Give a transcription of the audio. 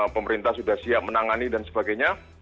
pemerintah sudah siap menangani dan sebagainya